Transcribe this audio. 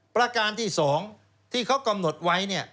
ประการที่๒ที่เขากำหนดไว้